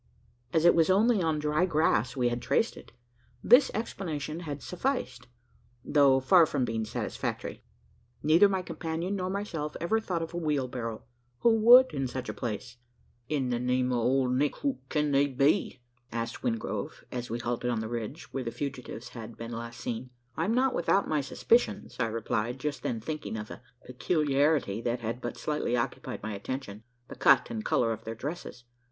As it was only on dry grass we had traced it, this explanation had sufficed though far from being satisfactory. Neither my companion nor myself ever thought of a wheelbarrow. Who would, in such a place? "In the name o' Old Nick, who kin they be?" asked Wingrove, as we halted on the ridge, where the fugitives had been last seen. "I'm not without my suspicions," I replied, just then thinking of a peculiarity that had but slightly occupied my attention the cut and colour of their dresses.